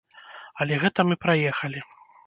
Але гэта мы праехалі.